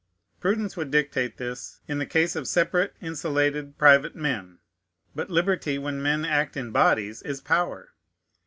Prudence would dictate this in the case of separate, insulated, private men. But liberty, when men act in bodies, is power.